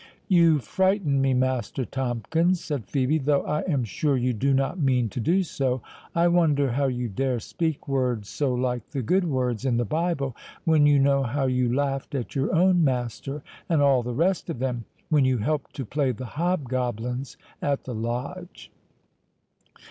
"You frighten me, Master Tomkins," said Phœbe, "though I am sure you do not mean to do so. I wonder how you dare speak words so like the good words in the Bible, when you know how you laughed at your own master, and all the rest of them—when you helped to play the hobgoblins at the Lodge."